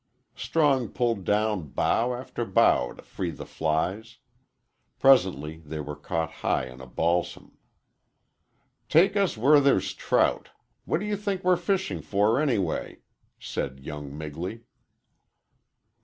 Strong pulled down bough after bough to free the flies. Presently they were caught high in a balsam. "Take us where there's trout. What do you think we're fishing for, anyway?" said young Migley.